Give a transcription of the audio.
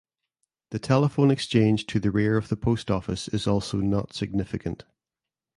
The telephone exchange to the rear of the post office is also not significant.